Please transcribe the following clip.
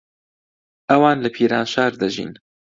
ئەوان لە پیرانشار دەژین.